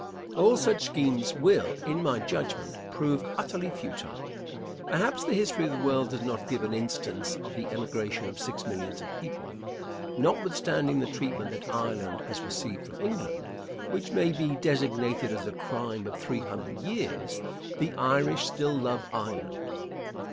All such schemes will, in my judgment, prove utterly futile. Perhaps the history of the world does not give an instance of the emigration of six millions of people. Notwithstanding the treatment that Ireland has received from England, which may be designated as a crime of three hundred years, the Irish still love Ireland.